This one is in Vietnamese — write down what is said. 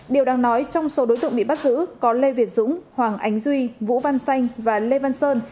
điều đang nói trong số đối tượng bị bắt giữ có lê việt dũng hoàng ánh duy vũ văn xanh và lê văn sơn